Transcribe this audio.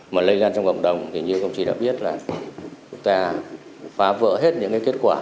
mà lây lan trong cộng đồng thì như công chí đã biết là chúng ta phá vỡ hết những kết quả